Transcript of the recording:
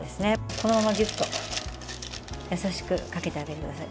このままギュッと優しくかけてあげてください。